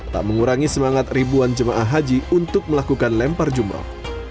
tak mengurangi semangat ribuan jemaah haji untuk melakukan lempar jumroh